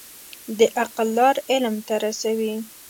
د عقل لار علم ته رسوي.